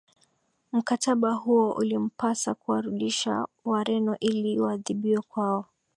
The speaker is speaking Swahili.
Mkataba huo ulimpasa kuwarudisha Wareno ili waadhibiwe kwao